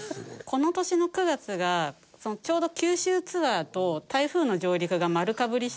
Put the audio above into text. この年の９月がちょうど九州ツアーと台風の上陸が丸かぶりしていて。